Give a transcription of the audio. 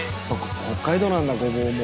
北海道なんだごぼうも。